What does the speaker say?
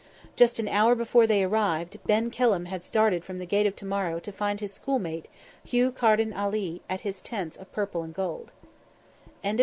Just an hour before they arrived, Ben Kelham had started from the Gate of To morrow to find his school mate, Hugh Carden Ali, at his Tents of Purple and of Gold.